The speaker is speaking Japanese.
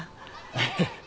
ええ。